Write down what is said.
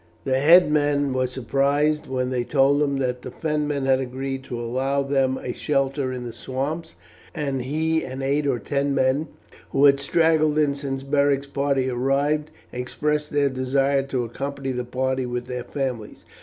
The headman was surprised when they told him that the Fenmen had agreed to allow them a shelter in the swamps, and he and eight or ten men who had straggled in since Beric's party arrived, expressed their desire to accompany the party with their families.